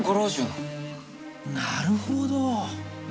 なるほど。